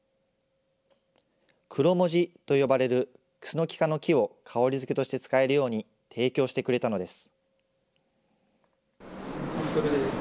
クロモジと呼ばれるクスノキ科の木を香りづけとして使えるように、提供してくれたのです。